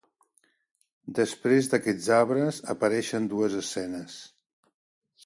Després d'aquests arbres apareixen dues escenes.